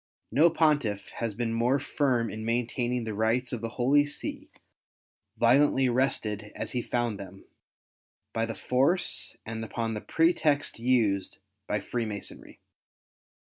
No Pontiff has been more firm in maintaining the rights of the Holy See, violently wrested as he found them, by the force and upon the pretexts used by Freemasonry.